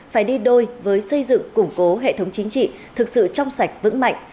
phải đi đôi với xây dựng củng cố hệ thống chính trị thực sự trong sạch vững mạnh